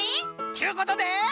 ちゅうことで。